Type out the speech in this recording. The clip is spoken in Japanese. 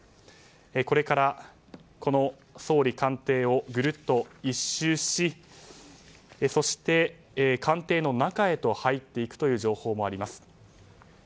これからこの総理官邸をぐるっと１周し、そして官邸の中へと入っていくという情報もあります。